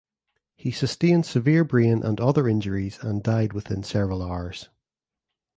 He sustained severe brain and other injuries and died within several hours.